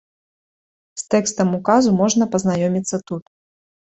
З тэкстам указу можна пазнаёміцца тут.